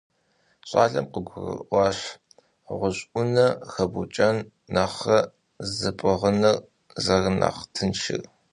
ЩӀалэм къыгурыӀуащ гъущӀ Ӏунэ хэбукӀэн нэхърэ зыпӀыгъыныр зэрынэхъ тыншыр.